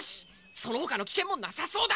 そのほかのきけんもなさそうだ。